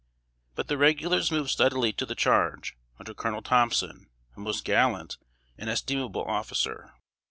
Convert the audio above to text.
But the regulars moved steadily to the charge, under Colonel Thompson, a most gallant and estimable officer.